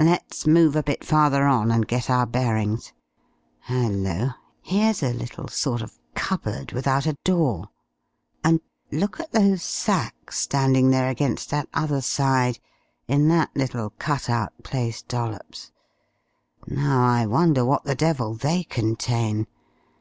"Let's move a bit farther on and get our bearings. Hello! here's a little sort of cupboard without a door. And ... look at those sacks standing there against that other side in that little cut out place, Dollops. Now I wonder what the devil they contain.